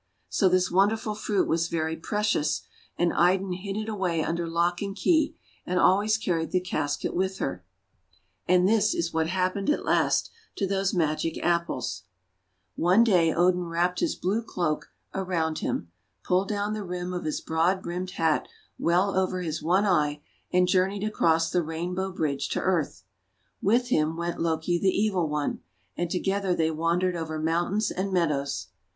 So this wonderful fruit was very precious, and Idun hid it away under lock and key, and always carried the casket with her. IDUN AND THE MAGIC APPLES 217 And this is what happened at last to those Magic Apples :— One day Odin wrapped his blue cloak around him, pulled down the rim of his broad brimmed hat well over his one eye, and journeyed across the Rainbow Bridge to earth. With him went Loki the Evil One, and together they wandered over mountains and meadows.